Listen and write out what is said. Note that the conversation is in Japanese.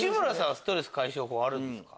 ストレス解消法あるんですか？